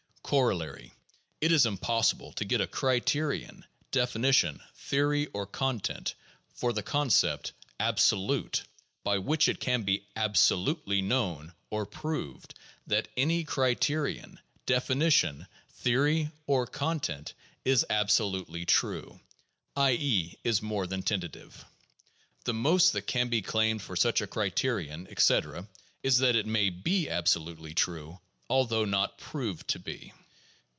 Corollary. — It is impossible to get a criterion, definition, theory, or content for the concept "absolute" by which it can be absolutely known or proved that any criterion, definition, theory, or content is absolutely true, i. e., is more than tentative. The most that can be claimed for such a criterion, etc., is that it may be absolutely true, although not proved to be.